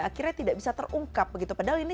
akhirnya tidak bisa terungkap begitu padahal ini